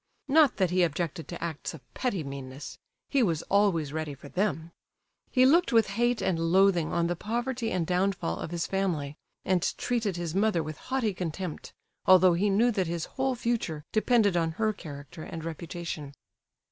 (Not that he objected to acts of petty meanness—he was always ready for them.) He looked with hate and loathing on the poverty and downfall of his family, and treated his mother with haughty contempt, although he knew that his whole future depended on her character and reputation.